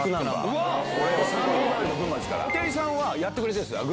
布袋さんやってくれてるんすよ